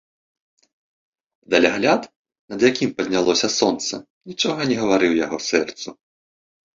Далягляд, над якім паднялося сонца, нічога не гаварыў яго сэрцу.